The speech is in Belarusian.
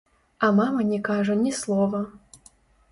А мама не кажа ні слова.